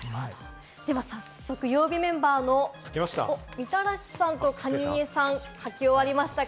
では早速、曜日メンバーのみたらしさんと蟹江さん、書き終わりましたか？